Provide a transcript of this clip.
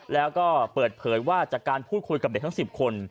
แล้วก็เปิดเผยว่าจากการพูดคุยกับเด็กทั้ง๑๐คน